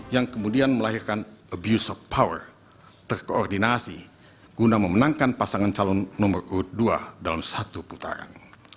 dan kemudian melahirkan abuse of power terkoordinasi guna memenangkan pasangan calon nomor kedua dalam satu putaran